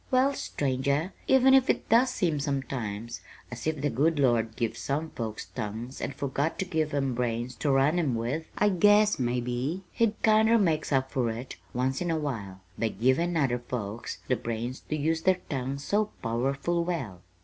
"Well, stranger, even if it does seem sometimes as if the good Lord give some folks tongues and forgot to give 'em brains to run 'em with, I guess maybe He kinder makes up for it, once in a while, by givin' other folks the brains to use their tongues so powerful well!"